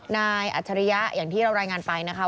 อัจฉริยะอย่างที่เรารายงานไปนะคะ